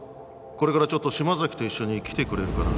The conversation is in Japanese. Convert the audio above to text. これからちょっと島崎と一緒に来てくれるかな？